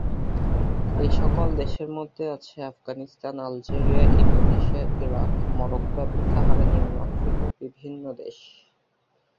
এসকল দেশের মধ্যে আছে Afghanistan, Algeria, Indonesia, Iraq, Morocco, এবং সাহারা-নিম্ন আফ্রিকার বিভিন্ন দেশ।